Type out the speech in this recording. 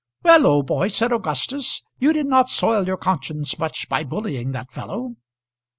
"Well, old boy," said Augustus, "you did not soil your conscience much by bullying that fellow."